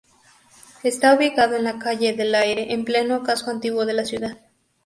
Está ubicado en la calle del Aire, en pleno casco antiguo de la ciudad.